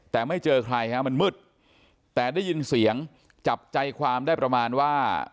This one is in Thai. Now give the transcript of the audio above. แต่ไม่เจอใครฮะมันมืดแต่ได้ยินเสียงจับใจความได้ประมาณว่า